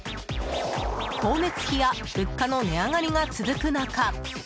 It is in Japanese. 光熱費や物価の値上がりが続く中